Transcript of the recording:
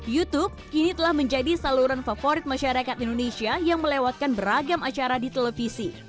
youtube kini telah menjadi saluran favorit masyarakat indonesia yang melewatkan beragam acara di televisi